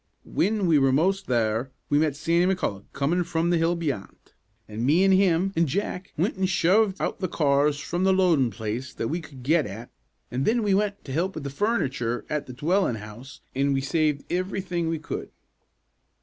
"Whin we were most there we met Sandy McCulloch comin' from the hill beyant, an' me an' him an' Jack wint an' shoved out the cars from the loadin' place that we could get at; an' thin we wint to help with the furniture at the dwellin' house, an' we saved ivery thing we could."